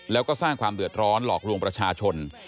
แล้วก็สร้างความเดือดร้อนหลอกลวงประชาชน